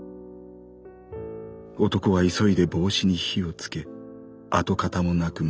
男は急いで帽子に火をつけ跡形もなく燃やした。